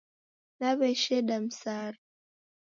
Naw'esheda msara